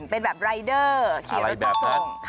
เป็นแบบรายเดอร์